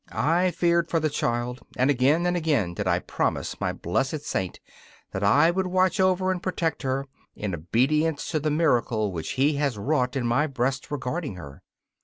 I feared for the child, and again and again did I promise my blessed Saint that I would watch over and protect her, in obedience to the miracle which he has wrought in my breast regarding her.